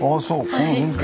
この風景だ。